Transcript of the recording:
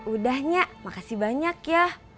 udah nya makasih banyak ya